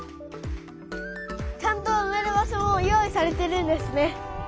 ちゃんとうめる場所も用意されてるんですね。